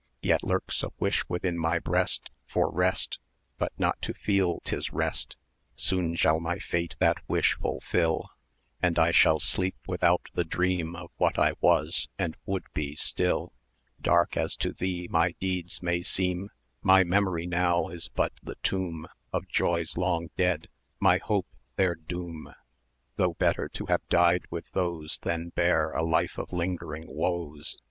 Yet, lurks a wish within my breast For rest but not to feel 'tis rest. Soon shall my Fate that wish fulfil; And I shall sleep without the dream Of what I was, and would be still Dark as to thee my deeds may seem:[eb] My memory now is but the tomb 1000 Of joys long dead; my hope, their doom: 'Though better to have died with those Than bear a life of lingering woes.